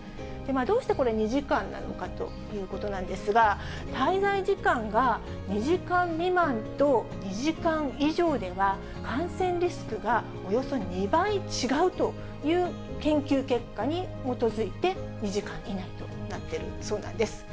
どうしてこれ、２時間なのかということなんですが、滞在時間が２時間未満と２時間以上では、感染リスクがおよそ２倍違うという研究結果に基づいて、２時間になってるそうなんです。